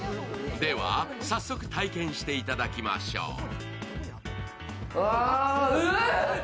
では、早速体験していただきましょう。